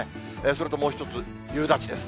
それともう一つ、夕立です。